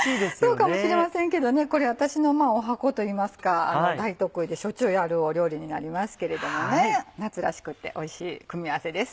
そうかもしれませんけどねこれ私の十八番といいますか大得意でしょっちゅうやる料理になりますけれどもね。夏らしくっておいしい組み合わせです。